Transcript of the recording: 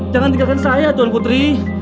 jangan tinggalkan saya tuan putri